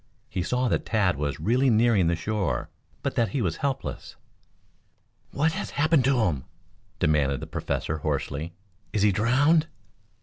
He saw that Tad was really nearing the shore, but that he was helpless. "What has happened to him?" demanded the Professor hoarsely. "Is he drowned?"